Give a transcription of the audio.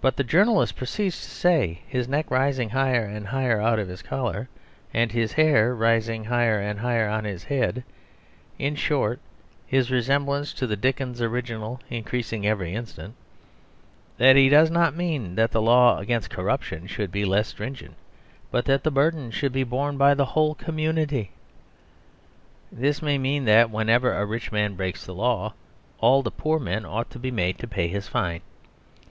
But the journalist proceeds to say, his neck rising higher and higher out of his collar, and his hair rising higher and higher on his head, in short, his resemblance to the Dickens' original increasing every instant, that he does not mean that the law against corruption should be less stringent, but that the burden should be borne by the whole community. This may mean that whenever a rich man breaks the law, all the poor men ought to be made to pay his fine.